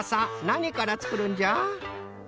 なにからつくるんじゃ？